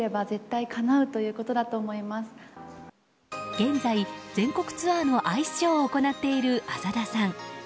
現在、全国ツアーのアイスショーを行っている浅田さん。